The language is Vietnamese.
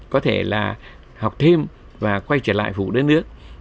có thể là học thêm và quay trở lại phủ đất nước